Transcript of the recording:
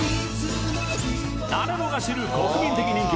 誰もが知る国民的人気